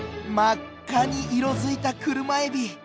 真っ赤に色づいた車エビ。